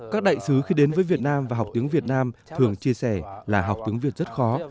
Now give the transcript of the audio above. các đại sứ khi đến với việt nam và học tiếng việt nam thường chia sẻ là học tiếng việt rất khó